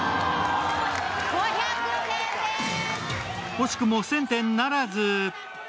惜しくも１０００点ならず。